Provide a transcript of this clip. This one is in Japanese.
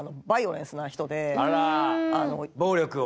暴力を？